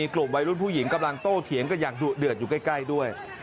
กลุ่มวัยรุ่นผู้หญิงกำลังโต้เถียงกันอย่างดุเดือดอยู่ใกล้ด้วย